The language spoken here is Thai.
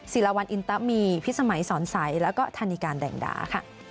ศิลวรรณอินตะมีพิษสมัยสอนใสแล้วก็ธานีการแดงดาค่ะ